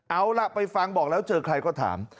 เอาล่ะไปฟังบอกแล้วเจอใครก็ถาม